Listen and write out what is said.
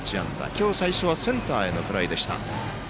今日最初はセンターへのフライ。